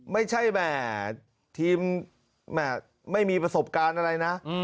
ไม่ใช่แหม่ทีมแหม่ไม่มีประสบการณ์อะไรนะ